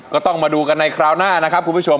ก็ต้องมาดูกันในคราวหน้านะครับคุณผู้ชม